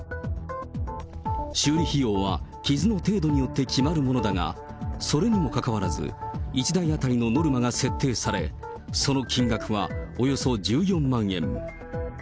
修理費用は傷の程度によって決まるものだが、それにもかかわらず、１台当たりのノルマが設定され、その金額はおよそ１４万円。